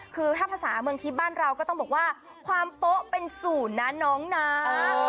คือถ้าภาษาเมืองทิพย์บ้านเราก็ต้องบอกว่าความโป๊ะเป็นศูนย์นะน้องนะ